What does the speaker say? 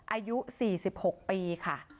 อายุ๔๖ปีค่ะ